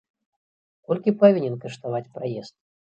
Колькі павінен каштаваць праезд?